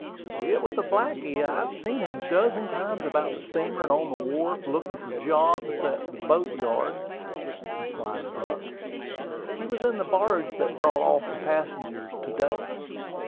"It was a blacky I have seen a dozen times about the steamer and on the wharf, looking for jobs for that boat yard," replied Buck. "He was in the barge that brought off the passengers to day."